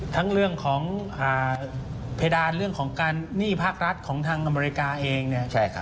ทั้งเรื่องของเพดานเรื่องของการหนี้ภาครัฐของทางอเมริกาเอง